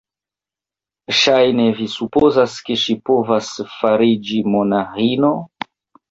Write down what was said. Ŝajne vi supozas, ke ŝi povas fariĝi monaĥino?